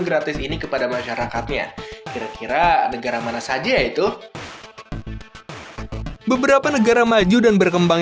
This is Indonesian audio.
gratis ini kepada masyarakatnya kira kira negara mana saja itu beberapa negara maju dan berkembang